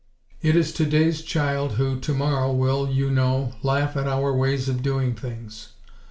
It is today's child who, tomorrow, will, you know, laugh at our ways of doing things.